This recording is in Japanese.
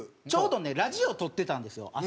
ちょうどねラジオとってたんですよ